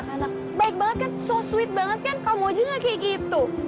kakak gak akan ngelakuin itu